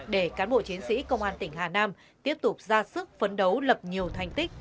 để cán bộ chiến sĩ công an tỉnh hà nam tiếp tục ra sức phấn đấu lập nhiều thành tích